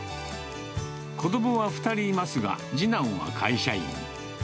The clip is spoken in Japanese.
子どもは２人いますが、次男は会社員。